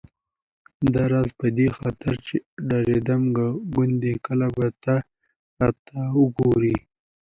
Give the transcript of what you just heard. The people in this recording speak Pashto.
داراز په دې خاطر چې ډارېدم ګوندې کله به ته راته وګورې.